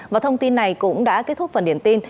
và thông tin này cũng đã kết thúc phần điểm tin